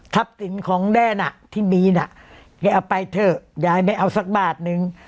สินของแดนที่มีน่ะแกเอาไปเถอะยายไม่เอาสักบาทนึง